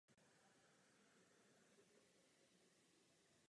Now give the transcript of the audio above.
Stěžejním bodem jeho práce bylo malířství a grafika.